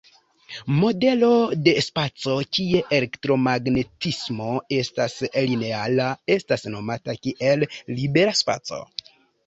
Modelo de spaco kie elektromagnetismo estas lineara estas nomata kiel libera spaco.